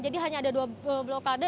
hanya ada dua blokade